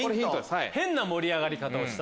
変な盛り上がり方をした。